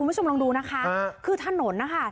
คุณผู้ชมลองดูนะคะคือถนนนะคะ